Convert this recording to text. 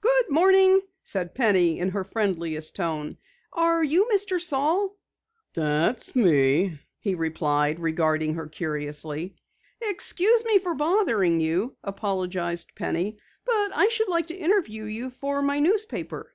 "Good morning," said Penny in her friendliest tone. "Are you Mr. Saal?" "That's me," he replied, regarding her curiously. "Excuse me for bothering you," apologized Penny, "but I should like to interview you for my newspaper."